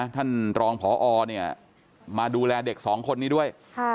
ท่านรองพอมาดูแลเด็กสองคนนี้ด้วย